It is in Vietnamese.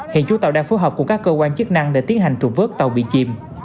hiện chủ tàu đang phối hợp cùng các cơ quan chức năng để tiến hành trục vớt tàu bị chìm